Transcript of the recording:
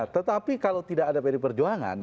tetapi kalau tidak ada pd perjuangan